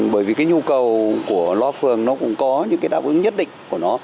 bởi vì cái nhu cầu của loa phường nó cũng có những cái đáp ứng nhất định của nó